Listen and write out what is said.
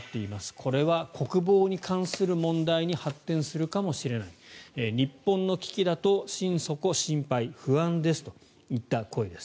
これは国防に関する問題に発展するかもしれない日本の危機だと心底心配不安ですといった声です。